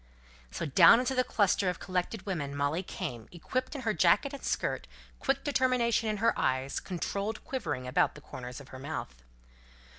So down into the cluster of collected women Molly came, equipped in her jacket and skirt; quick determination in her eyes; controlled quivering about the corners of her mouth.